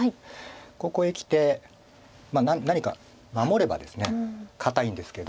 ここへきて何か守ればですね堅いんですけど。